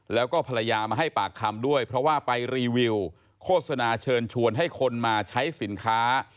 แล้วก็ภรรยามาให้ปากคำด้วยเพราะว่าไปรีวิวโฆษณาเชิญชวนให้คนมาใช้สินค้า